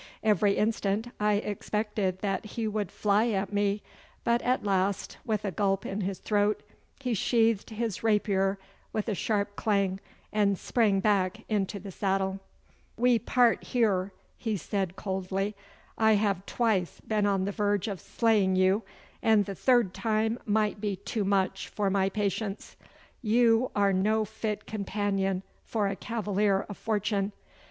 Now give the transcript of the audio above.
Every instant I expected that he would fly at me, but at last, with a gulp in his throat, he sheathed his rapier with a sharp clang, and sprang back into the saddle. 'We part here,' he said coldly. 'I have twice been on the verge of slaying you, and the third time might be too much for my patience. You are no fit companion for a cavalier of fortune.